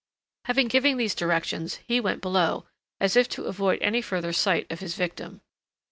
Having given these directions, he went below, as if to avoid any further sight of his victim.